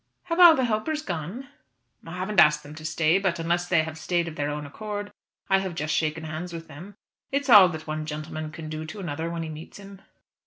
"Have all the helpers gone?" "I haven't asked them to stay; but unless they have stayed of their own accord I have just shaken hands with them. It's all that one gentleman can do to another when he meets him."